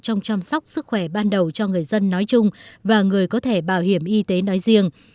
trong chăm sóc sức khỏe ban đầu cho người dân nói chung và người có thẻ bảo hiểm y tế nói riêng